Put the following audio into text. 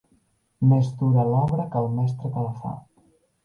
Més dura l'obra que el mestre que la fa.